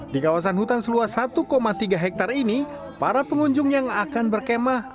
di kawasan hutan seluas satu tiga hektare ini para pengunjung yang akan berkemah